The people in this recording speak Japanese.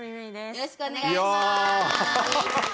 よろしくお願いします！